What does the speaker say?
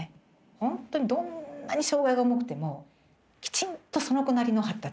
ほんとにどんなに障害が重くてもきちんとその子なりの発達はあるんですよ。